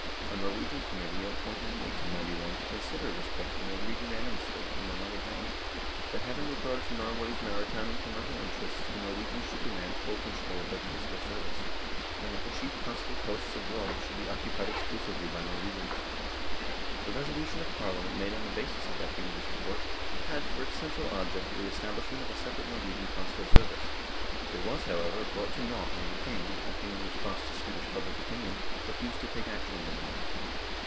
A Nor wegian Committee appointed in 1891 to consider this question agreed unanimously, among other things, that, having regard to Norway's maritime and com mercial interests the Norwegians should demand full control of their Consular service, and that the chief Consular posts abroad should be occupied exclusively by Norwegians. The resolution of Parliament made on the basis of that Committee's report, had for its central object the establishment of a separate Nor wegian Consular service. It was, however, brought to nought when the King, acting in response to Swedish public opinion, refused to take action in the matter.